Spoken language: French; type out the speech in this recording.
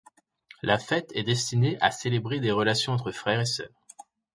La fête est destinée à célébrer des relations entre frères et sœurs.